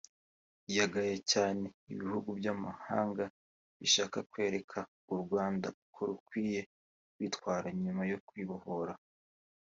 yagaye cyane ibihugu by’amahanga bishaka kwereka u Rwanda uko rukwiye kwitwara nyuma yo kwibohora